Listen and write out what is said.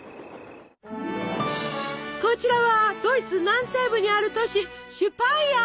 こちらはドイツ南西部にある都市シュパイアー。